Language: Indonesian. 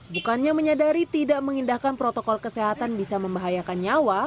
bukannya menyadari tidak mengindahkan protokol kesehatan bisa membahayakan nyawa